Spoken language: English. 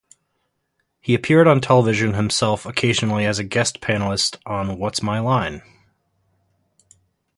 He appeared on television himself occasionally as a guest panelist on What's My Line?